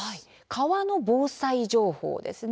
「川の防災情報」ですね。